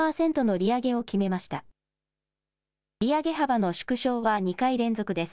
利上げ幅の縮小は２回連続です。